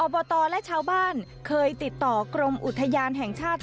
บตและชาวบ้านเคยติดต่อกรมอุทยานแห่งชาติ